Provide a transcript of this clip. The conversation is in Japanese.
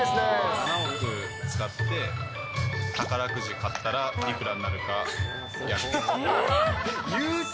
７億使って、宝くじ買ったらいくらになるかやる。